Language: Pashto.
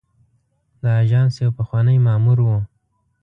د آژانس یو پخوانی مامور و.